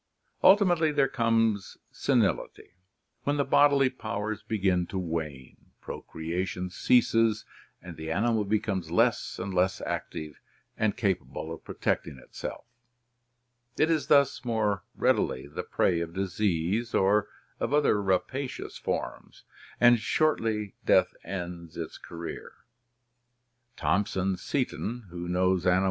Ultimately there comer, senility, when the bodily powers begin to wane, pro creation ceases, and the animal becomes less and less active and capable of pro tecting itself. It is thus more readily the prey of disease or of other rapa cious forms, and shortly death ends its career. Thomp son S e t o n, who 3. 30. — Tunica knows animals as, aj'n.